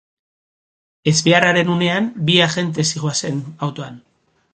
Ezbeharraren unean bi agente zihoazen autoan.